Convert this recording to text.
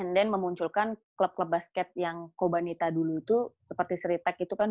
and then memunculkan klub klub basket yang kobanita dulu itu seperti siretex itu kan